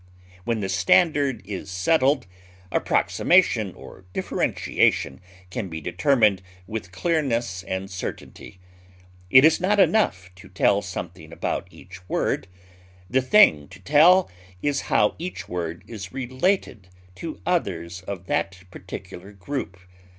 When the standard is settled, approximation or differentiation can be determined with clearness and certainty. It is not enough to tell something about each word. The thing to tell is how each word is related to others of that particular group.